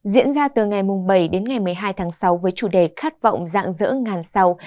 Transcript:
diễn ra từ ngày bảy đến ngày một mươi hai tháng sáu với chủ đề khát vọng dạng dỡ ngàn sau